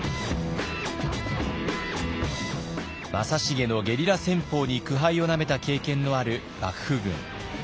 正成のゲリラ戦法に苦杯をなめた経験のある幕府軍。